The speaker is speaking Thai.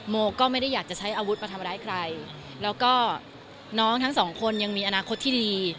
โมก็ไม่ได้อยากจะใช้อาวุธมาทำร้ายใครแล้วก็น้องทั้งสองคนยังมีอนาคตที่ดี